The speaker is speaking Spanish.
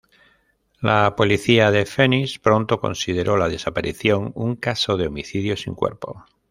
La policía de Phoenix pronto consideró la desaparición un caso de homicidio sin cuerpo.